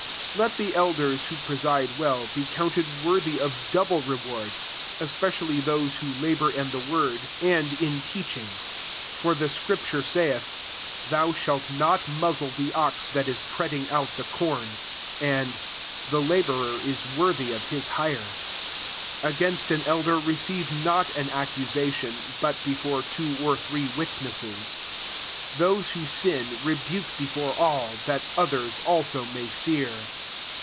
17 Let the elders who pre side well, be counted wc»*t^ of double reward ; especially time who labour in the word and in 1 TIMOTHY VI. 341 teaching: 18 for the scripture saith, " Thou shalt not muzzle the ox that is treading out the com.'' And, " The labourer is worthy of his hire." 19 Against an elder receive not an accusa tion, but before two or three witnesses. 20 Those who sin rebuke before all, that others also may fear.